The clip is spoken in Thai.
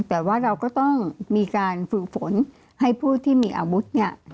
แต่ว่าเราก็ต้องมีการฝึกฝนให้ผู้ที่มีอาวุธเนี่ย